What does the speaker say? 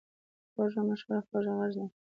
خوږه مشوره خوږ غږ لري.